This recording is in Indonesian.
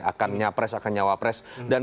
akan nyapres akan nyawapres dan